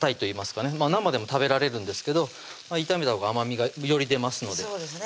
生でも食べられるんですけど炒めたほうが甘みがより出ますのでそうですね